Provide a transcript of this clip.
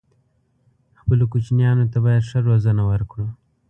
خپلو کوچنيانو ته بايد ښه روزنه ورکړو